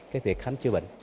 cái việc khám chữa bệnh